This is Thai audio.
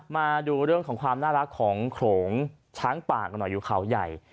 มาดูเรื่องของความน่ารักของโขลงช้างป่ากันหน่อยอยู่เขาใหญ่